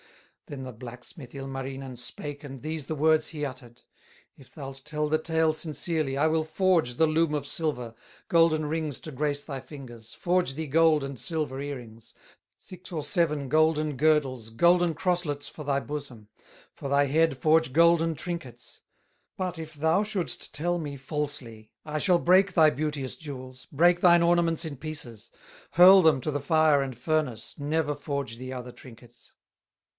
Then the blacksmith Ilmarinen Spake and these the words he uttered: "If thou'lt tell the tale sincerely, I will forge the loom of silver, Golden rings to grace thy fingers, Forge thee gold and silver ear rings, Six or seven golden girdles, Golden crosslets for thy bosom, For thy head forge golden trinkets; But if thou shouldst tell me falsely, I shall break thy beauteous jewels, Break thine ornaments in pieces, Hurl them to the fire and furnace, Never forge thee other trinkets."